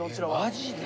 マジで？